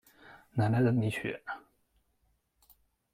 奶奶的离去